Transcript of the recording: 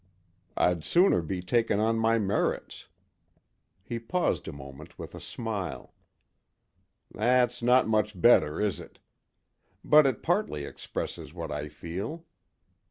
I'd sooner be taken on my merits." He paused a moment with a smile. "That's not much better, is it? But it partly expresses what I feel.